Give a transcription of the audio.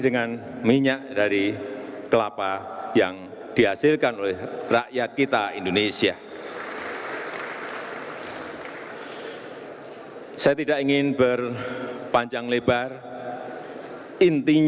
terima kasih kami ucapkan kepada bapak presiden